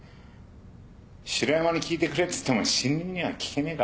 城山に聞いてくれっつっても死人には聞けねえか。